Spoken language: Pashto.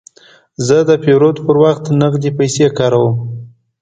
زه د پیرود پر وخت نغدې پیسې کاروم.